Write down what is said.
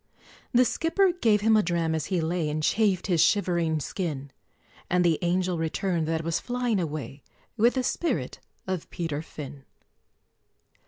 The skipper gave him a dram, as he lay, And chafed his shivering skin; And the Angel returned that was flying away With the spirit of Peter Fin!